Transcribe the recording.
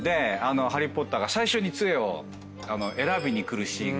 ハリー・ポッターが最初に杖を選びにくるシーンがすごい。